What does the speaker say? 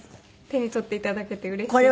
手に取っていただけてうれしいです。